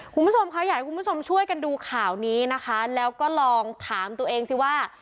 คุณผู้ชมค่ะอยากให้คุณผู้ชมช่วยกันดูข่าวนี้นะคะแล้วก็ลองถามตัวเองสิว่า